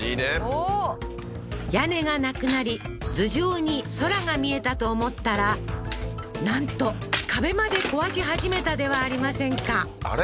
おっ屋根がなくなり頭上に空が見えたと思ったらなんと壁まで壊し始めたではありませんかあれ？